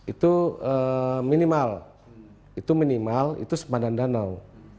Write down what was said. itu minimal itu minimal itu sepadan danau